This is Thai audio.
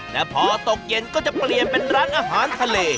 และพอตกเย็นก็จะเปลี่ยนเป็นร้านอาหารทะเล